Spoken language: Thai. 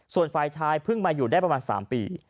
ส่วนฝ่ายชายเพิ่งมาอยู่ได้ประมาณ๓ปี